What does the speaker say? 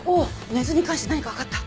根津に関して何かわかった？